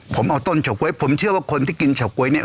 ผมเอาต้นเฉาก๊วยผมเชื่อว่าคนที่กินเฉาก๊วยเนี่ย